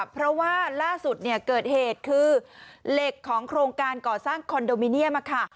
เพราะว่าล่าสุดเกิดเหตุคือเหล็กของโครงการก่อสร้างคอนโดมิเนียมค่ะ